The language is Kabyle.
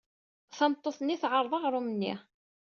Tameṭṭut-nni teɛreḍ aɣrum-nni.